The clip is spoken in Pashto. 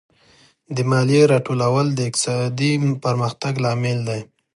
د مالیې راټولول د اقتصادي پرمختګ لامل دی.